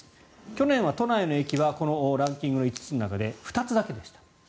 去年は都内の駅はこのランキングの５つの中で２つだけでした。